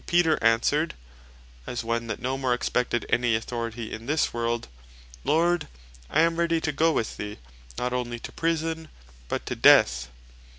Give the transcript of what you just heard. Peter answered (as one that no more expected any authority in this world) "Lord I am ready to goe with thee, not onely to Prison, but to Death."